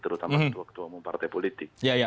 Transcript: terutama waktu umum partai politik